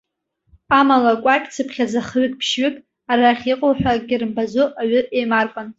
Амала кәакь-цыԥхьаӡа хҩык-ԥшьҩык, арахь иҟоу ҳәа акгьы рымбаӡо аҩы еимаркуан.